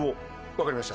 わかりました